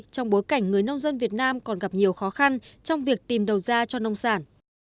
trong bối cảnh người nông dân việt nam còn gặp nhiều khó khăn trong việc tìm đầu ra cho nông sản